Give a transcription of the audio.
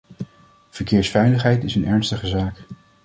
Verkeersveiligheid is een ernstige zaak.